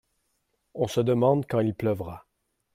On se demande quand il pleuvra.